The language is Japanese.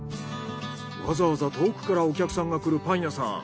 わざわざ遠くからお客さんが来るパン屋さん。